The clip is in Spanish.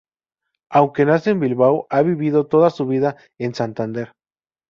Aunque nace en Bilbao, ha vivido toda su vida en Santander.